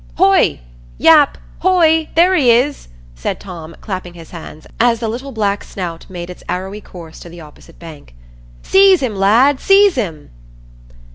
"Hoigh! Yap,—hoigh! there he is," said Tom, clapping his hands, as the little black snout made its arrowy course to the opposite bank. "Seize him, lad! seize him!"